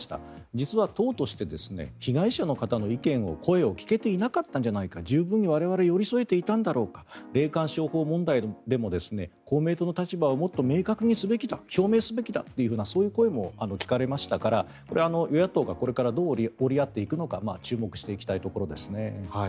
実は党として被害者の方の声を聞けていなかったんじゃないか十分に我々は寄り添えていたんだろうか霊感商法問題でも公明党の立場をもっと明確にすべきだ表明すべきだという声も聞かれましたから、与野党がこれからどう折り合っていくのか注目していきたいところですね。